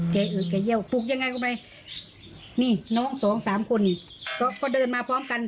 แกเอิดแกเยี่ยวปลุกยังไงก็ไปนี่น้อง๒๓คนก็เดินมาพร้อมกัน